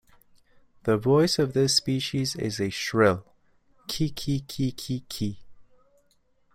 The voice of this species is a shrill "ki-ki-ki-ki".